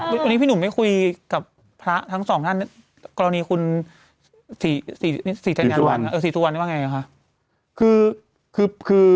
วันนี้พี่หนุ่มได้คุยกับพระทั้งสองท่านกรณีคุณศรีธัญญาศรีสุวรรณนี่ว่าไงคะ